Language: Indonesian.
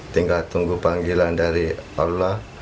tinggal tunggu panggilan dari allah